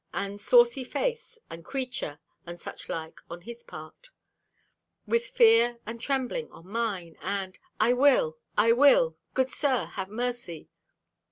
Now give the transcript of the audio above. And Saucy face, and Creature, and such like, on his part with fear and trembling on mine; and "I will, I will! Good Sir, have mercy!"